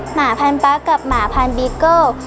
หมาพันปั๊กกับหมาพันบีเกิ้ล